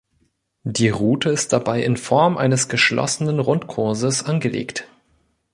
Die Route ist dabei in Form eines geschlossenen Rundkurses angelegt.